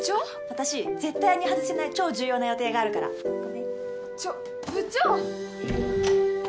私絶対に外せない超重要な予定があるからごめんちょ部長！